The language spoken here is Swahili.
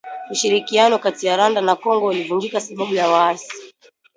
Ushirikiano kati ya Rwanda na Kongo ulivunjika sababu ya waasi.